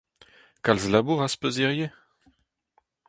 Kalz labour az peus hiziv ?